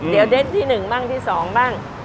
เดี๋ยวเด็ดที่หนึ่งบ้างที่สองบ้าง